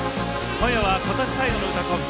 今夜はことし最後の「うたコン」。